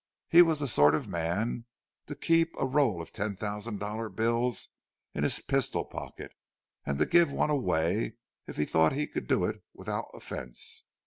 He was the sort of man to keep a roll of ten thousand dollar bills in his pistol pocket, and to give one away if he thought he could do it without offence.